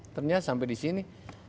ternyata sampai di sini